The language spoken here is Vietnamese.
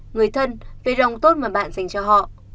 người thân về đồng tốt mà bạn dành cho họ